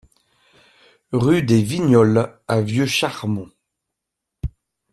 Rue des Vignoles à Vieux-Charmont